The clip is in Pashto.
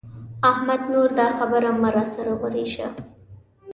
احمده! نور دا خبره مه را سره ورېشه.